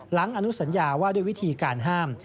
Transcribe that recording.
อนุสัญญาว่าด้วยวิธีการห้าม